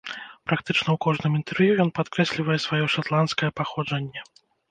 Практычна ў кожным інтэрв'ю ён падкрэслівае сваё шатландскае паходжанне.